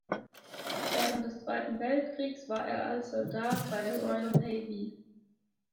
Während des Zweiten Weltkriegs war er als Soldat bei der Royal Navy.